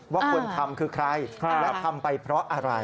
ว่าคนทำคือใครและทำไปเพราะอะไร